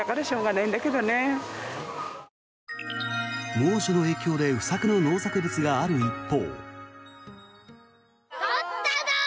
猛暑の影響で不作の農作物がある一方。